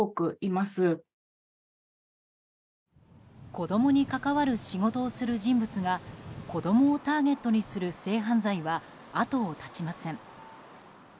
子供に関わる仕事をする人物が子供をターゲットにする性犯罪は後を絶ちません。